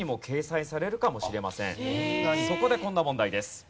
そこでこんな問題です。